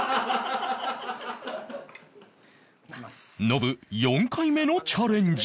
ノブ４回目のチャレンジ